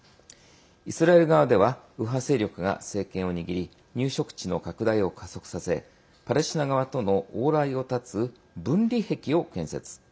イスラエル側では右派勢力が政権を握り入植地の拡大を加速させパレスチナ側との往来を断つ分離壁を建設。